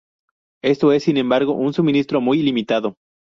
Esto es, sin embargo, un suministro muy limitado.